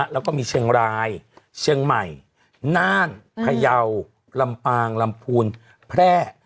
แล้วก็มีเชียงรายเชียงใหม่น่านพยาวลำปางลำพูนแพร่